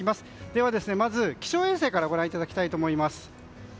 では、まず気象衛星からご覧いただきたいと思います。